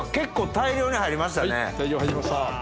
大量入りました。